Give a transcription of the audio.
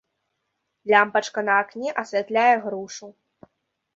Лямпачка на акне асвятляе грушу.